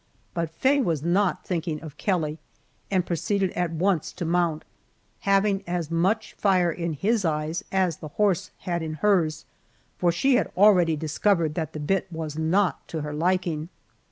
But Faye was not thinking of Kelly and proceeded at once to mount, having as much fire in his eyes as the horse had in hers, for she had already discovered that the bit was not to her liking.